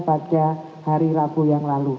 pada hari rabu yang lalu